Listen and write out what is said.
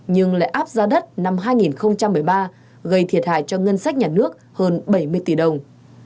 nhưng lại áp ra đất năm hai nghìn một mươi ba gây thiệt hại cho ngân sách nhà nước hơn bảy mươi tỷ đồng